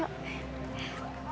gak ada apa apa